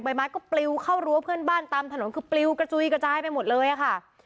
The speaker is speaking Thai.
ไม้ก็ปลิวเข้ารั้วเพื่อนบ้านตามถนนคือปลิวกระจุยกระจายไปหมดเลยอะค่ะ